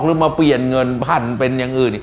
หรือมาเปลี่ยนเงินพันเป็นอย่างอื่น